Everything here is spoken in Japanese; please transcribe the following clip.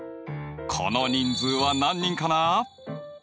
この人数は何人かな？